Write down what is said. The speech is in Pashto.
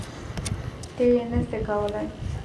ته یی نه سی کولای